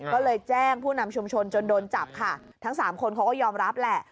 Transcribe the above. ก็เลยแจ้งผู้นำชุมชนจนโดนจับค่ะทั้งสามคนเขาก็ยอมรับแหละ